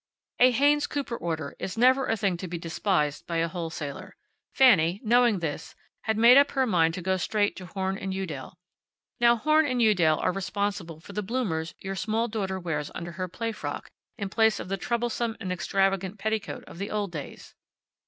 At Haynes Cooper order is never a thing to be despised by a wholesaler. Fanny, knowing this, had made up her mind to go straight to Horn & Udell. Now, Horn & Udell are responsible for the bloomers your small daughter wears under her play frock, in place of the troublesome and extravagant petticoat of the old days.